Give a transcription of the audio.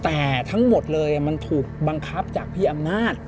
แต่ทั้งหมดเลยมันถูกบังคับจากพี่อำนาจ